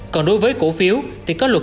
còn đối với cổ phiếu thì có luật